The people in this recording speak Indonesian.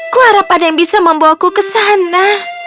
ku harap ada yang bisa membawaku ke sana